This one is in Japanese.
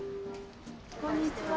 こんにちは。